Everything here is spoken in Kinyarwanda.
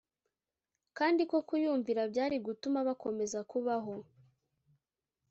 kandi ko kuyumvira byari gutuma bakomeza kubaho